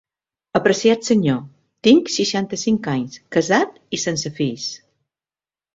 Apreciat Senyor: Tinc seixanta-cinc anys, casat i sense fills.